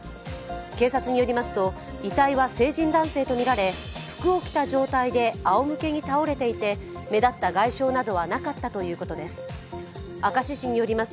警察によりますと遺体は成人男性とみられ服を着た状態であおむけに倒れていて目立った外傷などはなかったということです。